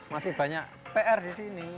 masih banyak pr di sini